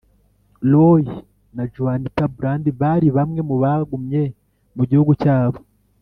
Roy na Juanita Brandt bari bamwe mu bagumye mu gihugu cyabo